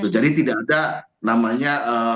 jadi tidak ada namanya